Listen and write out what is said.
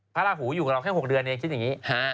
พระราหูอยู่กับเราแค่๖เดือนเองคิดอย่างนี้